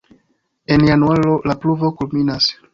En januaro la pluvo kulminas.